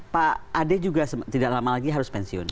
pak ade juga tidak lama lagi harus pensiun